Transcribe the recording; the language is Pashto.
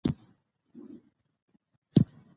مېوې د افغانانو د فرهنګي پیژندنې برخه ده.